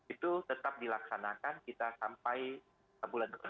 itu tetap dilaksanakan kita sampai bulan depan